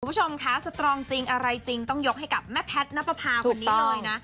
คุณผู้ชมคะสตรองจริงอะไรจริงต้องยกให้กับแม่แพทย์นับประพาคนนี้เลยนะ